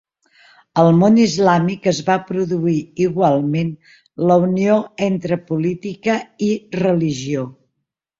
Al món islàmic es va produir igualment la unió entre política i religió.